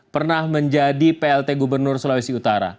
pernah menjadi plt gubernur sulawesi utara